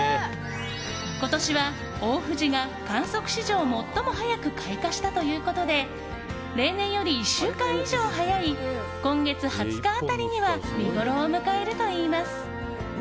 今年は大藤が観測史上最も早く開花したということで例年より１週間以上早い今月２０日辺りには見ごろを迎えるといいます。